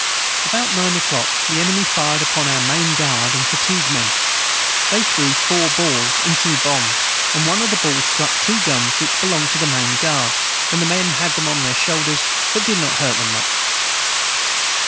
About nine Oclock the enemy fired upon our main guard and fatigue men they through 4 Balls and 2 Bombs and one of the Balls struck 2 guns which belonged to the main guard and the men had them on their Shoulders but did not hurt them much.